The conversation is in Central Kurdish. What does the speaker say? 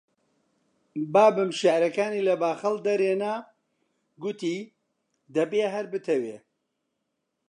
بابم شیعرەکانی لە باخەڵ دەرێنا، گوتی: دەبێ هەر بتەوێ